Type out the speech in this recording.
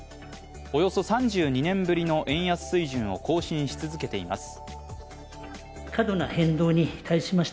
およそ３２年ぶりの円安水準を更新し続けています。